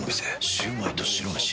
シュウマイと白めし。